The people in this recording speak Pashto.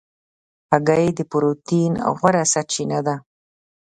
هګۍ د پروټین غوره سرچینه ده.